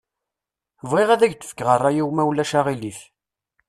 Bɣiɣ ad ak-d-fkeɣ ṛṛay-iw ma ulac aɣilif.